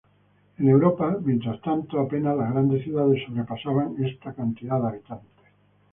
En Europa, mientras tanto, apenas las grandes ciudades sobrepasaban esta cantidad de habitantes.